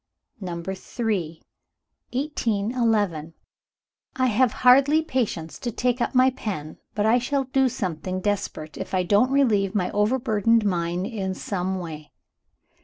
Number III. 1811. "I have hardly patience to take up my pen But I shall do something desperate, if I don't relieve my overburdened mind in some way.